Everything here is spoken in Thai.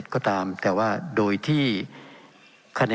เป็นของสมาชิกสภาพภูมิแทนรัฐรนดร